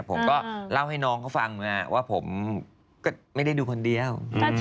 ผมก็เล่าให้น้องเขาฟังว่าผมก็ไม่ได้ดูคนเดียว